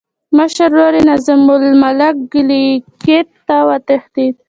مشر ورور یې نظام الملک ګیلګیت ته وتښتېد.